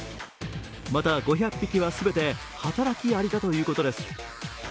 また５００匹は全て働きアリだということです。